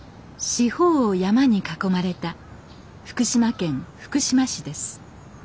四方を山に囲まれた福島県福島市です。